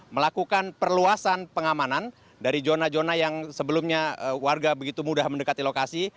melakukan perluasan pengamanan dari zona zona yang sebelumnya warga begitu mudah mendekati lokasi